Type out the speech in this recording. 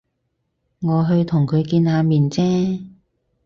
我去同佢見下面啫